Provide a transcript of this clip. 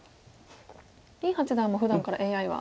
林八段もふだんからＡＩは。